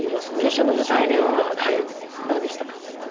決勝の舞台ではどうでしたか？